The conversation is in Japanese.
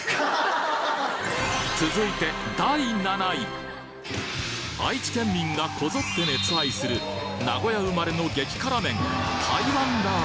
続いて愛知県民がこぞって熱愛する名古屋生まれの激辛麺